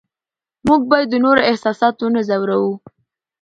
موږ باید د نورو احساسات ونه ځورو